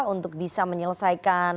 untuk bisa menyelesaikan